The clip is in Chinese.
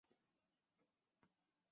王丽是中国田径运动员。